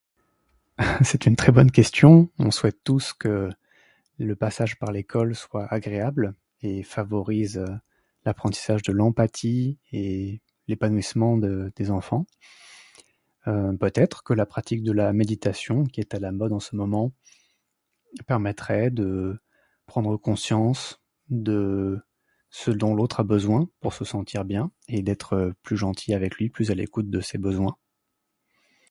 C'est une très bonne question. On souhaite tous que le passage par l'école soit agréable et favorise l'empathie et l'épanouissement des enfants. Peut-être que la pratique de la méditation, qui est à la mode en ce moment, permettrait de prendre conscience de ce dont l'autre a besoin pour se sentir bien et d'être plus gentil avec lui, plus à l'écoute de ses besoins.